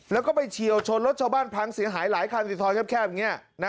แล้วก็ไปเฉียวชนรถชาวบ้านพังเสียหายหลายคันสิทธอแคบอย่างนี้